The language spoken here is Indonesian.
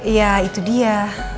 ya itu dia